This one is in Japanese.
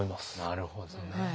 なるほどね。